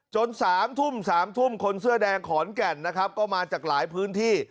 ๓ทุ่ม๓ทุ่มคนเสื้อแดงขอนแก่นนะครับก็มาจากหลายพื้นที่